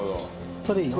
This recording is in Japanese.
それいいよ。